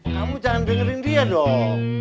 kamu jangan dengerin dia dong